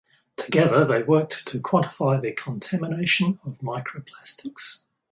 Together they worked to quantify the contamination of microplastics.